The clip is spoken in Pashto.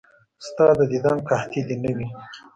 ستا د دیدن قحطي دې نه وي.